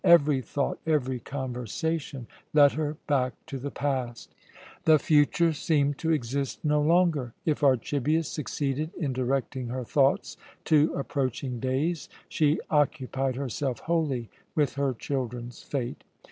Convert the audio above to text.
Every thought, every conversation, led her back to the past. The future seemed to exist no longer. If Archibius succeeded in directing her thoughts to approaching days she occupied herself wholly with her children's fate.